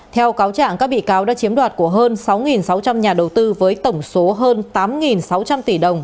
theo cáo trạng các bị cáo đã chiếm đoạt của hơn sáu sáu trăm linh nhà đầu tư với tổng số hơn tám sáu trăm linh tỷ đồng